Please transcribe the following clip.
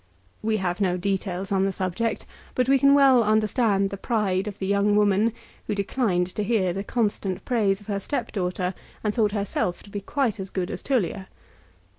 We have no details on the subject, but we can well understand the pride of the young woman who declined to hear the constant praise of her step daughter and thought herself to be quite as good as Tullia.